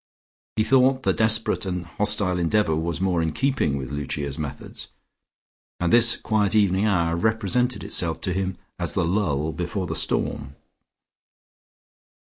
He thought the desperate and hostile endeavour was more in keeping with Lucia's methods, and this quiet evening hour represented itself to him as the lull before the storm.